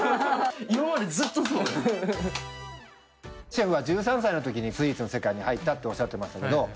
シェフは１３歳の時にスイーツの世界に入ったっておっしゃってましたけど。